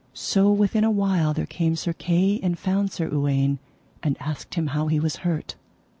So within a while there came Sir Kay and found Sir Uwaine, and asked him how he was hurt.